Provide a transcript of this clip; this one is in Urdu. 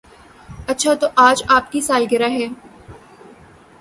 اچھا تو آج آپ کی سالگرہ ہے